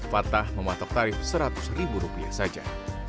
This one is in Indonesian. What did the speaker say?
fatah mematok tarif seratus ribu rupiah saja